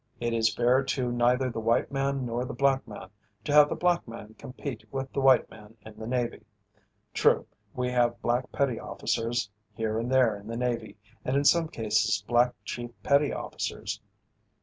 It is fair to neither the white man nor the black man to have the black man compete with the white man in the Navy. True, we have black petty officers here and there in the Navy, and in some cases black chief petty officers.